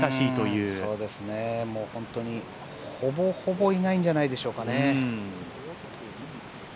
そうですね、本当に、ほぼほぼいないんじゃないでしょうかね。